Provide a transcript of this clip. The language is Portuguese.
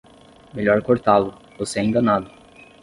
Melhor cortá-lo, você é enganado!